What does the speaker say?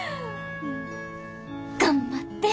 頑張って！